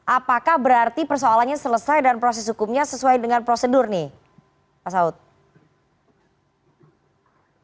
apakah berarti persoalannya selesai dan proses hukumnya sesuai dengan prosedur nih pak saud